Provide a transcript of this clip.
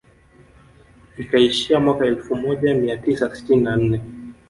Ikaishia mwaka elfu moja mia tisa sitini na nne